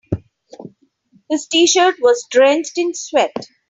His t-shirt was drenched in sweat.